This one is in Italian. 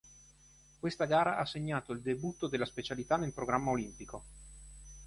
Questa gara ha segnato il debutto della specialità nel programma olimpico.